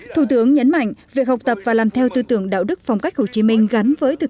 thủ tướng nhấn mạnh việc học tập và làm theo tư tưởng đạo đức phong cách hồ chí minh gắn với thực